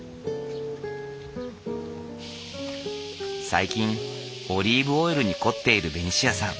最近オリーブオイルに凝っているベニシアさん。